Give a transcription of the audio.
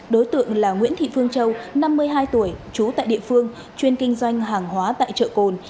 đối tượng là nguyễn thị phương châu năm mươi hai tuổi trú tại địa phương chuyên kinh doanh hàng hóa tại chợ cồn